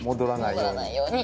戻らないように。